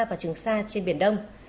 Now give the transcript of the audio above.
và trường sa trên biển đông